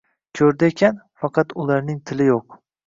ko'rdi ekan?.. Faqat ularning tili yo'q...